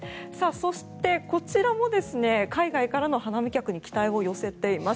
そしてこちらも海外からの花見客に期待を寄せています。